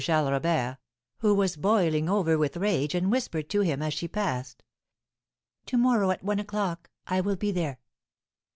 Charles Robert, who was boiling over with rage, and whispered to him, as she passed: "To morrow, at one o'clock, I will be there."